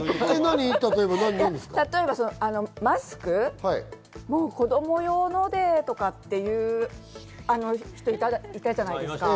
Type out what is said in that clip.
例えばマスク、もう子供用のでって言う人、いたじゃないですか。